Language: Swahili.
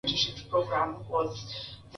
Safari ile ilikuwa na vikwazo vingi